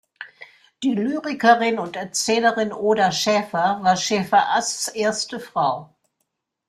Die Lyrikerin und Erzählerin Oda Schaefer war Schaefer-Asts erste Frau.